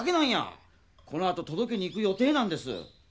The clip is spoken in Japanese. このあととどけにいく予定なんです。